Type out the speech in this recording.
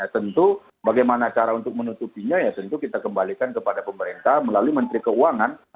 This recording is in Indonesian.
tentu bagaimana cara untuk menutupinya ya tentu kita kembalikan kepada pemerintah melalui menteri keuangan